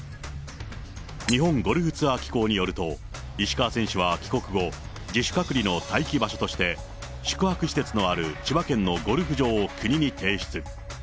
日本ゴルフツアー機構によると、石川選手は帰国後、自主隔離の待機場所として、宿泊施設のある千葉県のゴルフ場を国に提出。